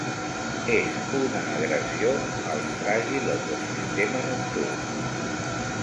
És una agressió al fràgil ecosistema nocturn.